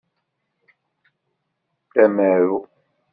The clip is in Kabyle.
D amaru.